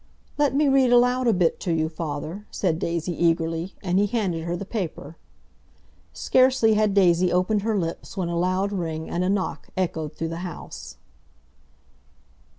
"Let me read aloud a bit to you, father," said Daisy eagerly, and he handed her the paper. Scarcely had Daisy opened her lips when a loud ring and a knock echoed through the house.